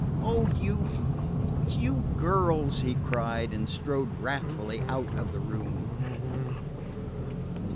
"Oh, you you girls!" he cried, and strode wrathfully out of the room.